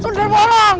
tuh udah bolong